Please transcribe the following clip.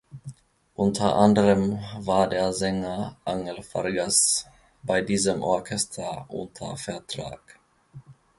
Unter anderem war der Sänger Angel Vargas bei diesem Orchester unter Vertrag.